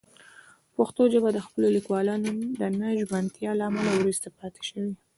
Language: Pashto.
پښتو ژبه د خپلو لیکوالانو د نه ژمنتیا له امله وروسته پاتې شوې.